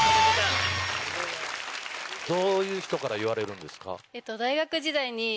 どういう人から言われるんですか？